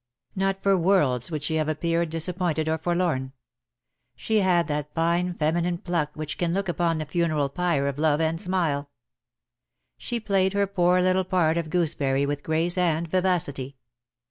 Not for worlds would she have appeared dis appointed or forlorn. She had that fine feminine pluck which can look upon the funeral pyre of love and smile. She played her poor little part of gooseberry with grace and vivacity.